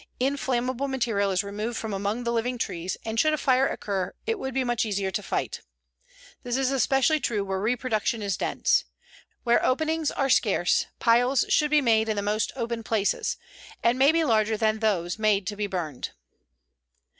Inflammable material is removed from among the living trees, and should a fire occur it would be much easier to fight. This is especially true where reproduction is dense. Where openings are scarce piles should be made in the most open places, and may be larger than those made to be burned."